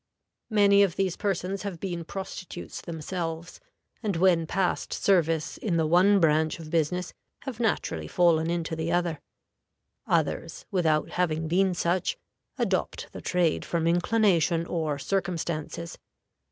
Many of these persons have been prostitutes themselves, and when past service in the one branch of business have naturally fallen into the other. Others, without having been such, adopt the trade from inclination or circumstances.